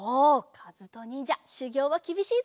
かずとにんじゃしゅぎょうはきびしいぞ。